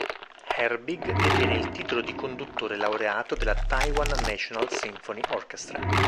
Herbig detiene il titolo di conduttore laureato della Taiwan National Symphony Orchestra.